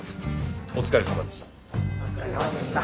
お疲れさまでした。